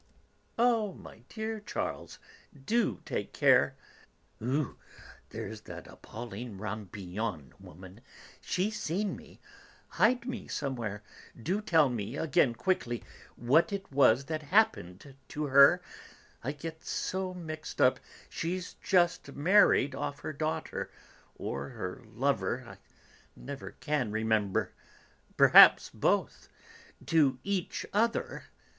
"Oh! my dearest Charles, do take care; there's that appalling Rampillon woman; she's seen me; hide me somewhere, do tell me again, quickly, what it was that happened to her; I get so mixed up; she's just married off her daughter, or her lover (I never can remember), perhaps both to each other!